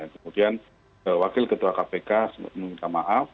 kemudian wakil ketua kpk meminta maaf